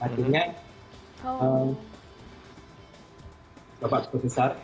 artinya dapat berbesar